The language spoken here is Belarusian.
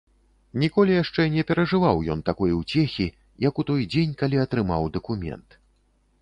Ніколі яшчэ не перажываў ён такой уцехі, як у той дзень, калі атрымаў дакумент.